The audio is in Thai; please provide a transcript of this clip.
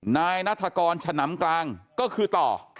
นายนัฐกรฉนำกลางก็คือต่อ